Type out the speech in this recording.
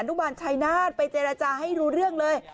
อนุบาลอันนับไปเจรจาให้รู้เรื่องเลย